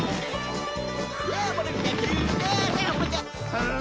はあ？